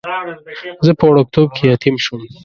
زه په وړکتوب کې یتیم شوم.